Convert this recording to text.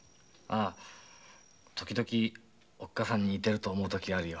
時々おっ母さんに似てると思う時あるよ。